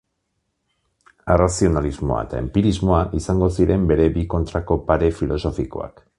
Arrazionalismoa eta enpirismoa izango ziren bere bi kontrako pare filosofikoak.